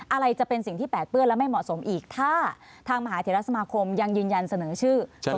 อะไรจะเป็นสิ่งที่แปดเปื้อนและไม่เหมาะสมอีกถ้าทางมหาเทรสมาคมยังยืนยันเสนอชื่อ